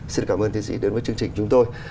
xin cảm ơn tiến sĩ đến với chương trình chúng tôi